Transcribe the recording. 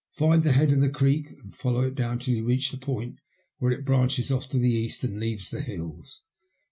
Find the head of the creek, and follow it down till you reach the point where it branches off to the east and leaves the hills.